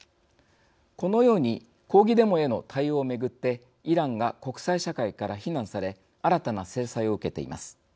このように抗議デモへの対応を巡ってイランが国際社会から非難され新たな制裁を受けています。